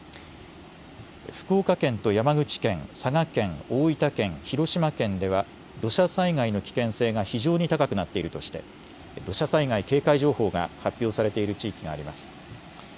福岡県と山口県、佐賀県、大分県、広島県では土砂災害の危険性が非常に高くなっているとして土砂災害警戒情報が発表されている地域があります。